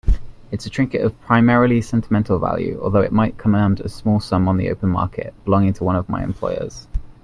It's a trinket of primarily sentimental value, although it might command a small sum on the open market, belonging to one of my employers.